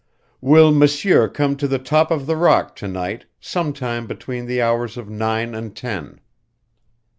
Will Monsieur come to the top of the rock to night, some time between the hours of nine and ten.